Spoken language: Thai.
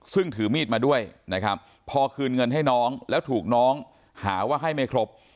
ซึ่งถือมีดมาด้วยนะครับพอคืนเงินให้น้องแล้วถูกน้องหาว่าให้ไม่ครบ